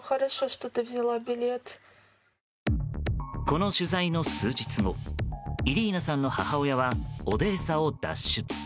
この取材の数日後イリーナさんの母親はオデーサを脱出。